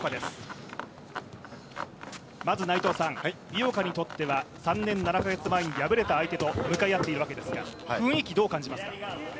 井岡にとっては３年７カ月前に敗れた相手と向かい合っているわけですが、雰囲気どう感じますか。